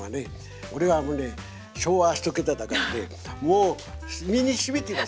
俺はあのね昭和１桁だからねもう身にしみてます。